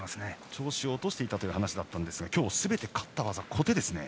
調子を落としていたという話ですが今日、すべて勝った技は小手ですね。